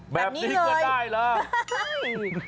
แบบนี้เลยแบบนี้ก็ได้เหรอไม่ได้สิครับ